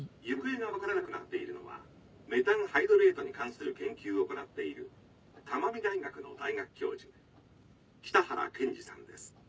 行方が分からなくなっているのはメタンハイドレートに関する研究を行っている珠海大学の大学教授北原賢二さんです。